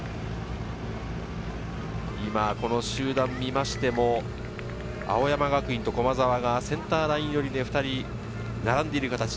今この集団を見ましても、青山学院と駒澤がセンターライン寄りで２人並んでいる形。